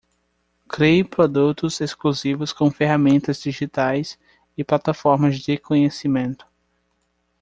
Crie produtos exclusivos com ferramentas digitais e plataformas de conhecimento